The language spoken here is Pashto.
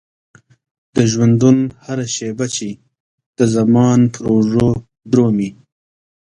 د ژوندون هره شيبه چې د زمان پر اوږو درومي.